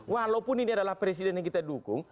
walaupun ini adalah presiden yang kita dukung